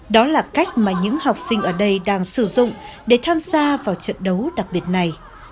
đó là cách mà những học sinh ở đây đang sử dụng để tham gia vào trận đấu đặc biệt này